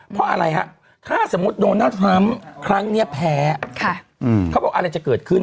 เพราะอะไรฮะถ้าสมมุติโดนัลดทรัมป์ครั้งนี้แพ้เขาบอกอะไรจะเกิดขึ้น